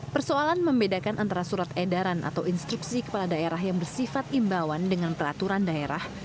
persoalan membedakan antara surat edaran atau instruksi kepala daerah yang bersifat imbauan dengan peraturan daerah